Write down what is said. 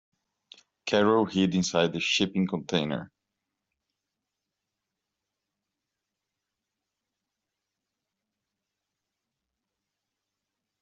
Carol hid inside the shipping container.